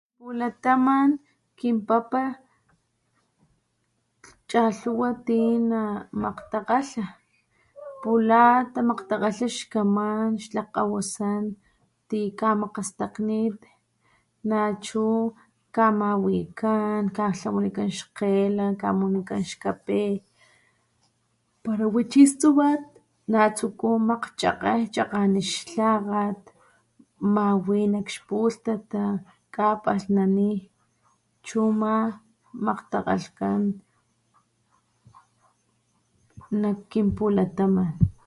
Nak kinpulataman chalhuwa ti namakgtakgalha pula tamakgtakgalha xkaman xlakgkgawasan ti kamakgastaknit nachu kamawikan an katlawanikan kgela kamunikan xkape pala wichi xtsumat makgchakge chakgane xtlakgat mawi nak xpulhtata kapalhnani chu ama makgtakgalhkan nakkinpulataman.